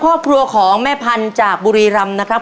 ครอบครัวของแม่พันธุ์จากบุรีรำนะครับ